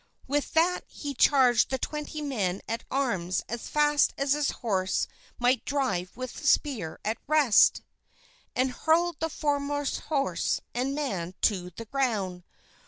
With that he charged the twenty men at arms as fast as his horse might drive with spear in rest, and hurled the foremost horse and man to the ground.